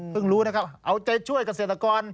รู้นะครับเอาใจช่วยเกษตรกร